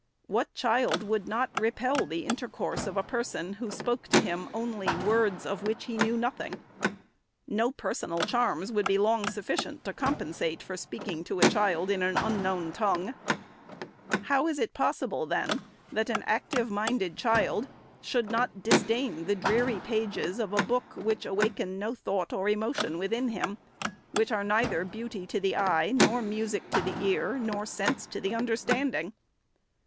What child would not repel the intercourse of a person, who spoke to him only words of which he knew nothing ? No personal charms would be long sufficient to compensate for speaking to a child in an unknown tongue. How is it possible, then, that an active minded child should not disdain the dreary pages of a book which awaken no thought or emotion within him ;— which are neither beauty to the eye, nor music to the ear, nor sense to the uaderstanding